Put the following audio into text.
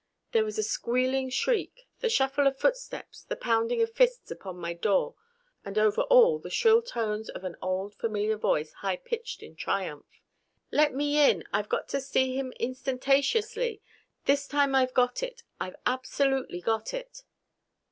There was a squealing shriek, the shuffle of footsteps, the pounding of fists upon my door. And over all the shrill tones of an old, familiar voice high pitched in triumph. "Let me in! I've got to see him instantaceously. This time I've got it; I've absolutely got it!"